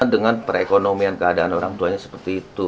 dengan perekonomian keadaan orang tuanya seperti itu